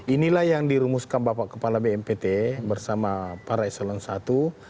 inilah yang dirumuskan bapak kepala bnpt bersama para eselon i